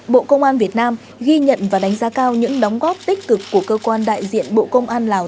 bộ công an việt nam ghi nhận và đánh giá cao những đóng góp tích cực của cơ quan đại diện bộ công an lào